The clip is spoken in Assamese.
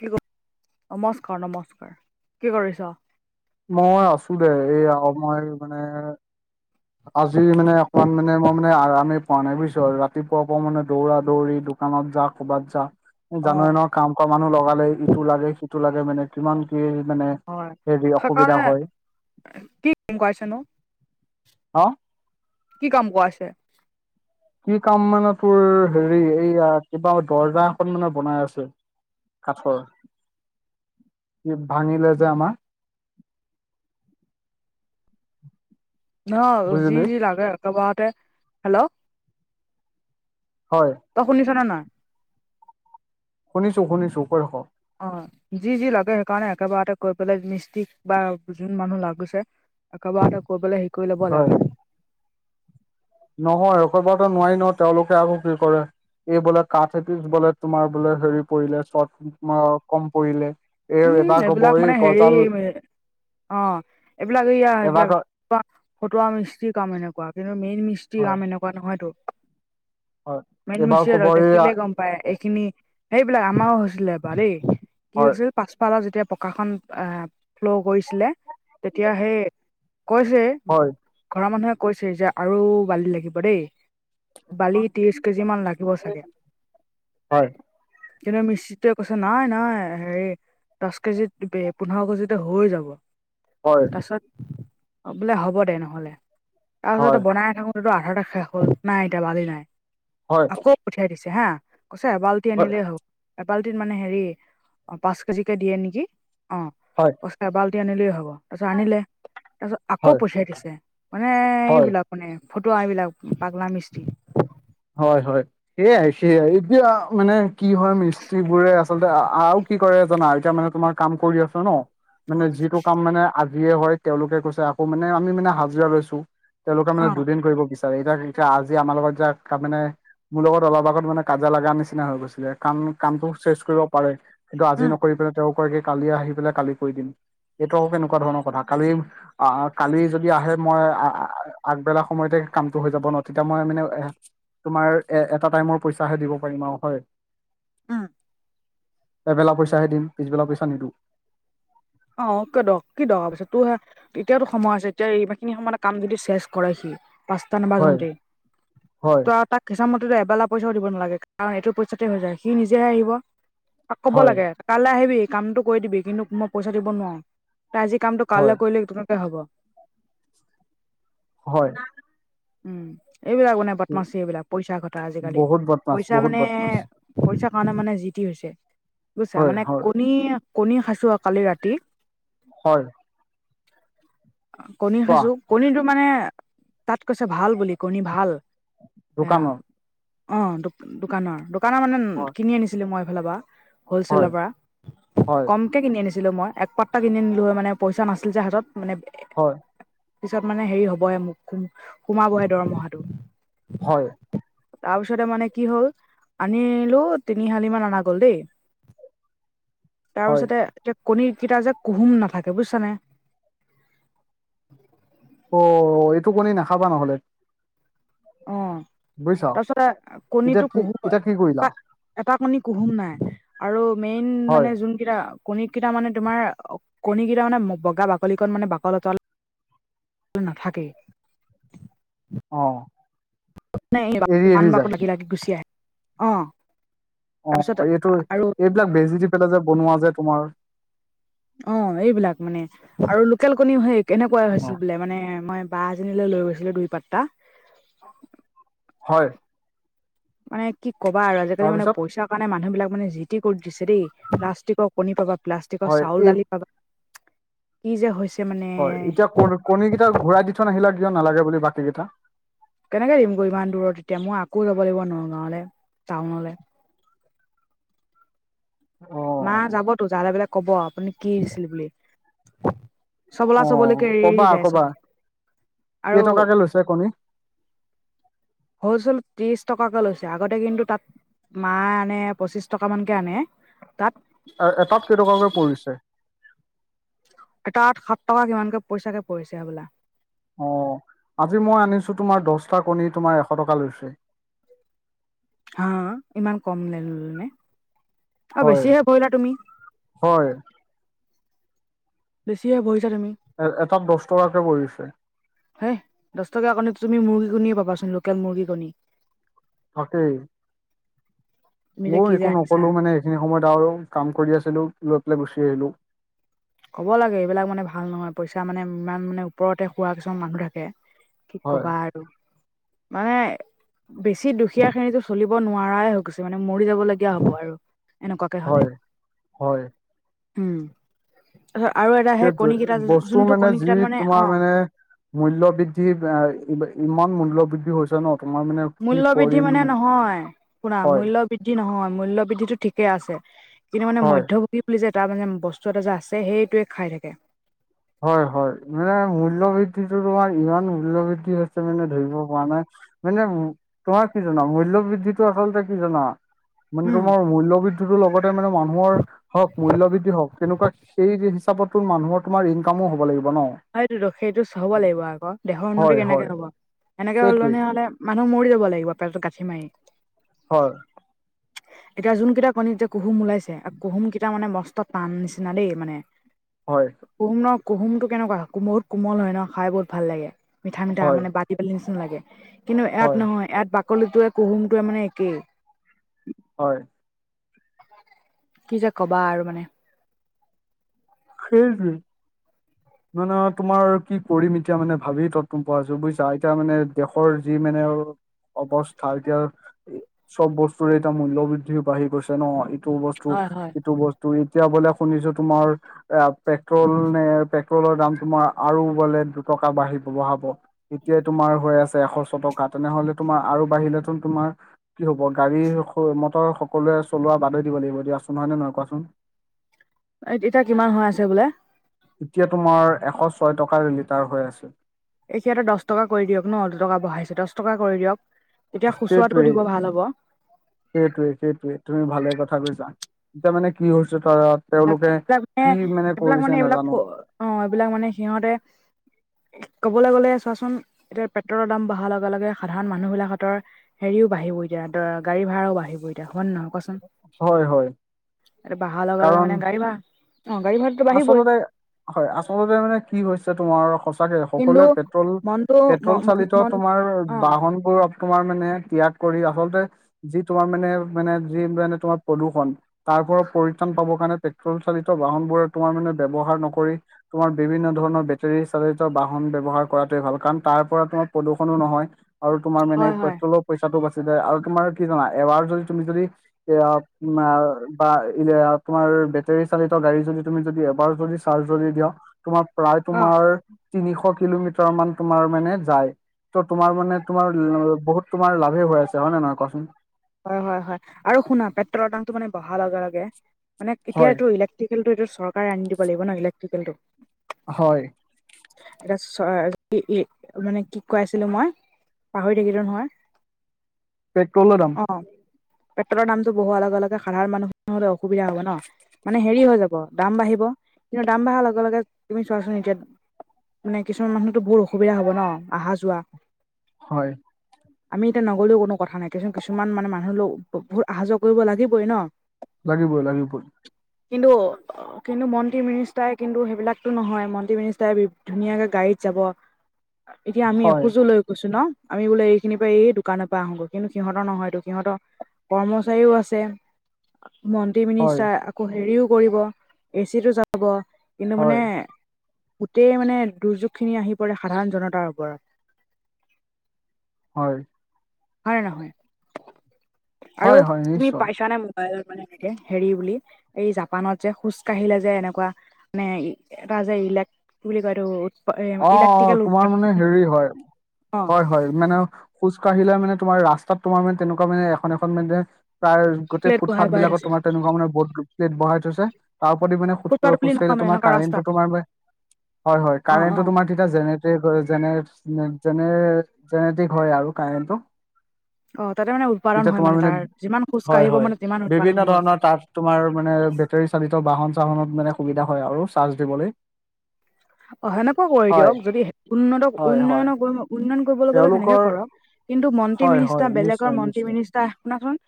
কি [unintelligible] নমস্কাৰ, নমস্কাৰ কি কৰিছঁ। মই আছো দে এইয়া, মই মানে আজি মানে অকণমান মানে, মই মানে আৰামে পোৱা নাই বুজিছ আৰু ৰাতিপুৱা পৰাই মানে দৌৰা-দৌৰি দো কানত যা, ক'ৰবাত যা। অ যানৈ নহয় কাম কৰা মানুহ লগালে ইটো লাগে, সিটো লাগে মানে কিমান কি মানে হয়, হেৰি অসুবিধা হয় সেইকাৰণে কি [unintelligible] অ'। কি কাম কৰাইছে? কি কাম মানে তোৰ হেৰি এইয়া কিবা দৰ্জা এখন মানে বনাই আছে। কাঠৰ, ভাঙিলে যে আমাৰ। অ' যি বুজিলি যি লাগে একেবাৰতে, হেল্ল'। হয়। তই শুনিছ নে নাই। শুনিছোঁ শুনিছোঁ, কৈ থাকক। অ' যি যি লাগে সেইকাৰণে একেবাৰেতে কৈ পেলাই, মিস্ত্ৰীক বা যোন মানুহ লাগিছে একেবাৰতে কৈ পেলাই হেৰি কৰি ল'ব হয় লাগে। নহয় [unintelligible] নোৱাৰি নহয়, তেওঁলোকে আকৌ পে' কৰে। এই বোলে কাঠ এপিছ বোলে, তোমাৰ বোলে হেৰি পৰিলে চৰ্ট আ কম পৰিলে। এই উম, এবাৰ কব এইবিলাক এই মানে হেৰি গজাল অ' এইবিলাক হীয়া এইবিলাক এবাৰ ফটোৱা, ফটোৱা মিস্তিৰ কাম এনেকুৱা, কিন্তু মেইন মিস্ত্ৰীৰ হয় কাম এনেকুৱা নহয়তো। হয় মেন এইবাৰ মিস্ত্ৰীয়ে কব এই দে-দেখিলে গম পাই এইখিনি, সেইবিলাক আমাৰও হৈছিলে এবাৰ দেই, কি হয় হৈছিল পাছফালৰ যেতিয়া পকাখন আহ ফ্ল' কৰিছিলে, তেতিয়া সেই কৈছে, হয় ঘৰৰ মানুহে কৈছে যে আৰু বালি লাগিব দেই। বালি ত্ৰিশ কেজি মান লাগিব চাগে। হয় কিন্তু মিস্ত্ৰী টোৱে কৈছে নাই নাই হেৰি দহ কেজিত, পোন্ধৰ কেজিতে হৈ যাব হয় তাৰপিছত বোলে হ'ব দে নহ'লে, তাৰপাছত হয় বনাই থাকোটো আধাতে শেষ হ'ল, নাই এতিয়া বালি নাই হয় আকৌ পঠিয়াই দিছে হা' কৈছে এবাল্টি আনিলেই হ'ব, এবাল্টিত মানে হেৰি অ', পাঁচ কেজিকে দিয়ে নেকি অ'। হয়। এবাল্টি আনিলেই হ'ব তাৰ পাছত আনিলে, তাৰ পাছত আকৌ হয় পঠিয়াই দিছে মানে হয় এইবিলাক মানে ফটোৱা এইবিলাক পাগলা মিস্ত্ৰী। হয় হয়, এয়াই সেয়াই এতিয়া মানে কি হয় মিস্ত্ৰী বোৰে আছে। আচলতে আৰু কি কৰে জানা এতিয়া মানে তোমাৰ কাম কৰি আছো ন মানে অ', যিটো কাম মানে আ জিয়ে হয় তেওঁলোকে কৈছে আকৌ মানে আমি মানে হাজিৰা লৈছো তেওঁলোকে মানে উম, দুদিন কৰিব বিচ এই এতিয়া আজি আমাৰ লগত যাক তাৰ মানে মোৰ লগত অলপ আগত মানে কাজিয়া লাগা নিচিনা হৈ গৈছিলে কাম কামটো চেচ কৰিব পাৰে কিন্তু আজি নকৰি পেলাই তেওঁ কয় কি কালি আহি পেলাই কালি কৰি দিম এইটো আকৌ কেনেকোৱা ধৰণৰ কথা কালি আহ কালি যদি আহে মই আগবেলা সময়তে কামটো হৈ যাব ন তেতিয়া মই মানে তোমাৰ এ এটা টাইমৰ পইচাহে দিব পাৰিম আও হয় উম এবেলা পইচাহে দিম পিছবেলা পইচা নিদিও অহ কদ কি দৰকাৰ পৰিছে তোৰ হে এতিয়াতো সময় আছে এতিয়া এইখিনি সময়ত কাম যদি চেচ কৰে সি পাঁচটা হয় নাবাজোওতেই হয় ত আও তাক হিচাপমতেটো এবেলা পইচাও দিব নালাগে কাৰণ এইটো পইচাতে হৈ যায় সি নিজেহে আহিব তাক ক'ব হয় লাগে কাইলে আহিবি কামটো কৰি দিবি কিন্তু মই পইচা দিব নোৱাৰো আজি কামটো হয় কাইলৈ কৰিলে কেনেকে হব হয় উম এইবিলাক মানে বদ্মাচী এইবিলাক পইচা ঘটা আজিকালি বহুত বদমাছ পইচা বহুত মানে বদমাছ পইচা কাৰণে মানে যি টি হৈছে বুজিছা হয় মানে হয় কণী কণী খাইছো আও কালি ৰাতি হয় কণী কোৱা খাইছো কণীটো মানে তাত কৈছে ভাল বুলি কণী ভাল এয়া দোকানৰ অ দো দোকানৰ দোকানৰ মানে হয় কিনি আনিছিলো মই এইফালৰ পৰা হয় হ'লচেলৰ পৰা হয় কম তে কিনি আনিছিলো মই এক পট্টা কিনি আনিছিলো মানে পইচা নাছিল যে হাতত মানে হয় পিছত মানে হেৰি হবহে মোক সোমাবহে দৰমহাটো হয় তাৰপিছতে মানে কি হ'ল আনিলো তিনিশালিমান অনা গ'ল দেই হয় তাৰপিছতে এতিয়া কণী কেইটা যে কুহুম নাথাকে বুজিছানে অ এইটো কণী নাখাবা নহলে অ বুজিছা তাৰপিছতে এতিয়া কণীটো কি কুহু এতিয়া কি কৰিলা বা এটা কণী কুহুম নাই আৰু মেইন হয় মানে যোন কেইটা কণী কেইটা মানে তোমাৰ কণী কেইটা মানে বগা বাকলিখন মানে বাকল তল টো নাথাকেই। অ নাই এৰি টান এৰি বাকো যায় লাগি লাগি গুচি আহে অ অ তাৰপিছত এইটো আৰু এইবিলাক বেজি দি পেলাই যে বনোৱা যে তোমাৰ অ এইবিলাক মানে আৰু লোকেল কণীও সেই তেনেকোৱাই হৈছিল বোলে মানে মই বাঁ এজনীলৈ লৈ গৈছিলো দুই পাতটা। হয় মানে কি ক'বা আৰু আজিকালি মানে তাৰপিছত পইচাৰ কাৰণে মানুহ বিলাক মানে যি টি কৰি দিছে দেই প্লাষ্টিকক কণী পাবা প্লাষ্টিকৰ হয় চাউল এই দালি পাবা কি যে হৈছে মানে হয় এতিয়া ক কণী কেইটা ঘূৰাই দি থোৱা নাহিলা কিয় নালাগে বুলি বাকী কেইটা কেনেকে দিম গৈ ইমান দূৰত এতিয়া মই আকৌ যাব লাগিব নগাঁৱলে টাউনলে। অ মা যাবতো যালে বলে কব আপুনি কি দিছিল বুলি। চবলা অ', চবলৈকে এৰি কবা যায় চব কবা আৰু কেইটকাকে লৈছে কণী? হ'লচেল ত্ৰিশ টকাকে লৈছে আগতে কিন্তু তাত মায় আনে পঁচিছ টকামানকে আনে তাত। এটাত কেইটকাকে পৰিছে? এটা তাত সাত টকা কিমানকে পইচাকে পৰিছে হ'বলা। অ', আজি মই আনিছো তোমাৰ দহটা কণী তোমাৰ এশ টকা লৈছে। হা ইমান কম নে ল'লেনে অ' হয় বেছিহে পৰিলে তুমি। হয়। বেছিহে বহিছা তুমি। এ এটাত দহ টকাকে পৰিছে। হে দচ টকা কণী তুমি মুৰ্গী কণীয়ে পাবাচোন লোকেল মুৰ্গী কণী। থাকেই, তুমি যে ময়ো কি যে একো আনিছা নকলো মানে সেইখিনি সময়ত আৰু কাম কৰি আছিলোঁ লৈ পেলাই গুচি আহিলোঁ। ক'ব লাগে এইবিলাক মানে ভাল নহয় পইচা মানে ইমান মানে ওপৰতে খোৱা কিছুমান মানুহ থাকে। কি হয় কবা আৰু মানে বেছি দুখীয়া খিনিতো চলিব নোৱাৰাই হৈ গৈছে মানে মৰি যাবলগীয়া হ'ব আৰু। এনেকুৱাকে হলে, হয় হয় উম, তাৰপিছত আৰু এটা সেই কণীকেইটা সেইটোৱে বস্তু যোনটো মানে যি কণীকেইটাত অ তোমাৰ মানে মূল্য বৃদ্ধি ইমান মূল্য বৃদ্ধি হৈছে ন' তোমাৰ মানে কি মূল্য বৃদ্ধি কৰিম মানে নহয়, শুনা হয় মূল্য বৃদ্ধি নহয় মূল্যয় বৃদ্ধিটো ঠিকে আছে। কিন্তু মানে হয় মধ্যভোগী বুলি যে তাৰ মানে বস্তু এটা যে আছে সেইটোৱে খাই থাকে। হয় হয় মানে মূল্য বৃদ্ধিটো তোমাৰ ইমান মূল্য বৃদ্ধি হৈছে মানে ধৰিব পৰা নাই। মানে তোমাৰ কি জানা মূল্য বৃদ্ধিটো আচলতে কি জনা মানে উম তোমাৰ মূল্যবৃদ্ধি লগতে মানে মানুহৰ হওক মূল্যবৃদ্ধি হওক তেনেকুৱা সেই হিচাপতো মানুহৰ তোমাৰ ইনকামো হ'ব লাগিব ন'। সেইটোতো সেইটো হ'ব লাগিব আকৌ দেহৰ উন্নতি হয় কেনেকে হয় হ'ব এনেকে সেইটোৱেই হলনি হ'লে মানুহ মৰি যাব লাগিব পেটত গাঠি মাৰি। হয়। [unintelligible] এতিয়া যোনকেইটা কণী এতিয়া কুহুম ওলাইছে কুহুম কেইটা মানে মস্ত টান নিচিনা দেই মানে। হয়। কুহম ন' কুহুমটো কেনেকুৱা বহুত কোমল হয় ন' খাই বহুত ভাল লাগে মিঠা মঠা হয় মানে ব নিচিনা লাগে কিন্তু ইয়াত হয় নহয় ইয়াত বাকলিটোৱে কুহুমটোৱে মানে একেই। হয়। কি যে কবা আৰু মানে। সেইটোৱে। [inaudible] মানে তোমাৰ কি কৰিম এতিয়া মানে ভাবি তত তম পোৱা আছো বুজিছা এতিয়া মানে দেশৰ যি মানে অৱস্থা এতিয়া, চব বস্তুৰে এতিয়া মূল্য বৃদ্ধি বাঢ়ি গৈছে ন এইটো অৱস্থা হয় ইটো হয় সেইটো বস্তু এতিয়া বোলে শুনিছো তোমাৰ এ পেট্ৰল নে পেট্ৰলৰ দাম তোমাৰ আৰু বোলে দুটকা বাঢ়িব বঢ়াব। এতিয়াই তোমাৰ হৈ আছে এশ ছটকা তেনেহলে তোমাৰ আৰু বাঢ়িতেন তোমাৰ কি হ'ব গাড়ী মটৰ সকলোৱে চলোৱা বাদেই দিব লাগিব দিয়াচোন হয় নে নহয় কোৱাচোন। এই এতিয়া কিমান হৈ আছে বোলে? ইতিয়া তোমাৰ এশ ছয় টকাৰ লিটাৰ হৈ আছে। এতিয়াতো দহ টকা কৰি দিয়ক ন দুটকা বহাইছো দহ টকা কৰি দিয়ক। তেতিয়া খুচুৰাটো সেটোৱেই। দিব ভাল হ'ব সেইটোৱে সেইটোৱে তুমি ভালে কথা কৈছা এতিয়া মানে কি হৈছে ধৰক- এইবিলাক মানে এইবিলাক মানে এইবিলাক ফ নাজানো অঁ এইবিলাক মানে সিহঁতে- ক'বলে গ'লে চোৱাচোন এতিয়া পেট্ৰলৰ দাম বঢ়াৰ লগে লগে সাধাৰণ মানুহ বিলাক হতৰ- হেৰিও বাঢ়িব এতিয়া দ গাড়ী ভা়ও বাঢ়িব এতিয়া হয় নহয় কচ- হয় হয় বাহা লগে লগে কাৰণ মানে গাড়ী ভা অঁ গাড়ী ভাড়া- আচলতে হয়, আচলতে মানে কি হৈছে তোমাৰ- সচাকে কিন্তু সকলোৱে পেট্ৰল মনটো ম পেট্ৰল চালিত মন তোমাৰ অ বাহন বা- বোৰক তোমাৰ মানে ত্যাগ কৰি আচলতে- যি তোমাৰ মানে মানে যি মানে তোমাৰ প্ৰদূৰ্ষণ- তাৰ পৰা পৰিত্ৰাণ পাবৰ কাৰণে পেট্ৰল চালিত বাহন বোৰৰ তোমাৰ মানে ব্যৱহাৰ নকৰি- তোমাৰ বিভিন্ন ধৰণৰ বেটেৰী চালিত বাহন ব্যৱহাৰ কৰাটোৱে ভাল কাৰণ তাৰ পৰা তোমাৰ প্ৰদূষণো নহয়। আৰু তোমাৰ মানে হয় হয় পেট্ৰলৰ পইচাটো বাচি যায় আৰু তোমাৰ কি জানা এবাৰ যদি তুমি যদি- এয়া বা তোমাৰ বেটেৰী চালিত গাড়ী যদি- তুমি যদি এবাৰ যদি চাৰ্জ যদি দিয়া তোমাৰ প্ৰায় অ তোমাৰ- তিনিশ কিলোমিটাৰ মান তোমাৰ মানে যায়। ত তোমাৰ মানে তোমাৰ বহুত তোমাৰ লাভে হৈ আছে হয় নে নহয় কোৱাচোন? হয় হয় হয়, আৰু শুনা পেট্ৰলৰ দামটো মানে বহা লগে লগে মানে এতিয়া হয় এইটো ইলেক্ট- টিকেলটো এইটো চৰকাৰে আনি দিব লাগিব ন ইলেক্ট্ৰিকেলটো। হয়। এটা চ ই ই মানে কি কই আছিলো মই পাহৰি থাকিলো নহয়। পেট্ৰলৰ দাম অঁ পেট্ৰলৰ দামটো বহোৱা লগে লগে সাধাৰণ মানুহ হলে অসুবিধা হব ন। মানে হেৰি হৈ যাব দাম বাঢ়িব কিন্তু দাম বাঢ়াৰ লগে লগে তুমি চোৱাচোন এতিয়া- মানে কিছুমান মানুহতো বহুত অসুবিধা হব ন অহা যোৱা। হয়। আমি এতিয়া নগলেও কোনো কথা নাই। কিছুন কিছুমান মানে মানুহ ল বহুত অহা যোৱা কৰিব লাগিবই ন। লাগিবই লাগিবই। কিন্তু, কিন্তু, মন্ত্ৰী মিনিষ্টাৰে কিন্তু সেইবিলাকতো নহয় মন্ত্ৰী মিনিষ্টাৰে ধুনীয়াকে গাড়ীত যাব। এতিয়া আমি হয় এসোজো লৈ গৈছো ন আমি বোলে এইখিনিৰ পৰা এই দোকানৰ পৰা আহো গৈ। কিন্তু, সিহঁতৰ নহয়টো সিহঁত কৰ্মচাৰীও আছে মন্ত্ৰী হয় মিনিষ্টাৰ- আকৌ হেৰিও কৰিব এচিতো যাব, কিন্তু হয় মানে- গোটেই মানে দুৰ্যোগ খিনি আহি পৰে সাধাৰণ জনতাৰ ওপৰত। হয়। হয়নে নহয়? আৰু হয় হয় তুমি নিশ্চয়। পাইছানে মোক- হয় হয়, মানে এনেকে হেৰি বুলি এই জাপানত যে খোজকাঢ়িলে যে এনেকা- মানে এটা যে ইলেক বুলি কয় এটোট- অঁ অঁ তোমাৰ মানে হেৰি হয়, অ হয় হয়, মানে- খোজকাঢ়িলে মানে তোমাৰ ৰাস্তাত তোমাৰ মানে তেনেকুৱা মানে এখন এখন মানে- প্ৰায় গোটেই প্লেট বহাই ফুটফাথ বহাই বিলাকত থৈছে তোমাৰ তেনেকুৱা মানে বট প্লেট বহাই থৈছে। তাৰ ওপৰেদি মানে খোজ ফুটপাথ বুলি নহয় কঢ়িলে মানে তোমাৰ এনেকুৱা কাৰেন্তো ৰাস্তাত তোমাৰ হয় হয় অ কাৰেন্তো অ তোমাৰ- যেনেতেৰিক হয় আৰু জেনেৰেত জেনেটিক হয় আৰু কাৰেণ্টো। অ তাতে মানে উৎপাদন এতিয়া হয় তোমাৰ মানে তাৰ যিমান খোজ হয় কাঢ়িব হয় মানে তিমান উৎপাদন বিভিন্ন হ'ব ধৰণৰ তাত তোমাৰ মানে বেটৰী চালিত বাহন চাহনত মানে সুবিধা হয় আৰু চাৰ্জ দিবলৈ। অ সেনেকুৱা কৰি হয় দিয়ক যদি উন্নতক হয় হয় উন্নয়ন উন্নয়ন কৰিবলৈ গ'লে সেনেকে তেওঁলোকৰ কৰক। কিন্তু মন্ত্ৰী হয় হয় মিনিষ্টাৰ বেলেগৰ নিশ্চয় মন্ত্ৰী নিশ্চয় মিনিষ্টাৰ শুনাচোন।